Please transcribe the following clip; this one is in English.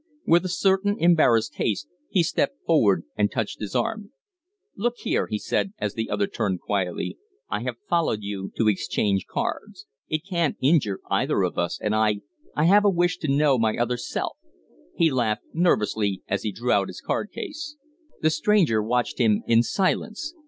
With a certain embarrassed haste he stepped forward and touched his arm. "Look here," he said, as the other turned quietly. "I have followed you to exchange cards. It can't injure either of us, and I I have a wish to know my other self." He laughed nervously as he drew out his card case. The stranger watched him in silence.